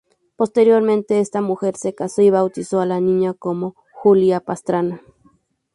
Posteriormente esta mujer se casó y bautizó a la niña como Julia Pastrana.